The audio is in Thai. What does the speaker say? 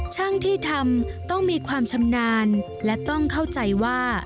ช่างที่ทำต้องมีความชำนาญและต้องเข้าใจว่า